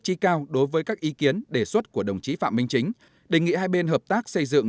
trí cao đối với các ý kiến đề xuất của đồng chí phạm minh chính đề nghị hai bên hợp tác xây dựng